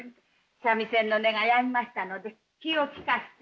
三味線の音がやみましたので気を利かして。